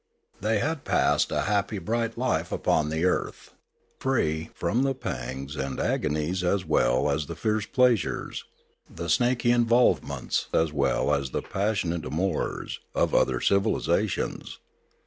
They had passed a happy bright life upon the earth, free from the pangs and agonies as well as the fierce pleasures, the snaky involvements as well as the passionate amours, of other civilisations.